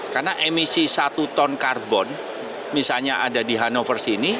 karena emisi satu ton karbon misalnya ada di hannover sini